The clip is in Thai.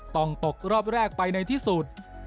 ตกรอบแรกไปในที่สุด